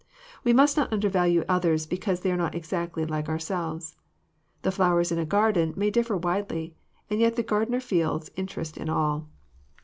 We must not undervalue others because they are not exactly like ourselves. The flowers in a garden may differ widely, and yet the gardener feels interest in all.